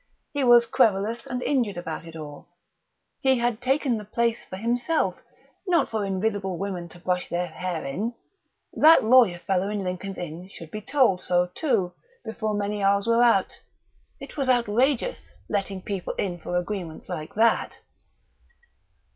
He was querulous and injured about it all. He had taken the place for himself, not for invisible women to brush their hair in; that lawyer fellow in Lincoln's Inn should be told so, too, before many hours were out; it was outrageous, letting people in for agreements like that!